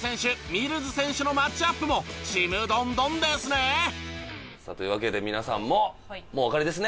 ミルズ選手のマッチアップもちむどんどんですね。というわけで皆さんももうおわかりですね。